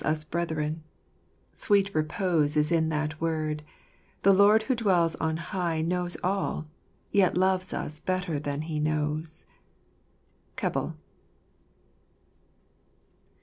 us Brethren : sweet repose Is in that word — the Lord who dwells on high Knows all, yet loves us better than He knows." Keble.